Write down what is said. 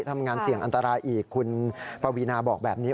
ทำงานเสี่ยงอันตรายอีกคุณปวีนาบอกแบบนี้